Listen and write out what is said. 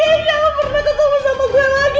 tidak pernah ketemu sama gue lagi